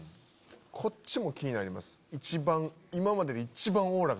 こっちも気になります。